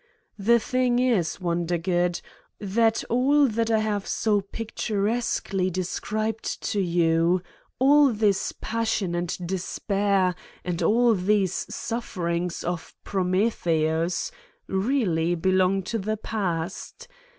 The thing is, Wondergood, that all that I have so picturesquely described to you, all this passion and despair and all these sufferings of ... Prometheus really belong to the past.